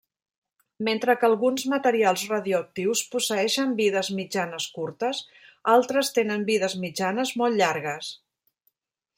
Mentre que alguns materials radioactius posseeixen vides mitjanes curtes, altres tenen vides mitjanes molt llargues.